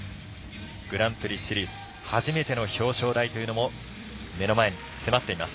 グランプリシリーズ初めての表彰台というのも目の前に迫っています。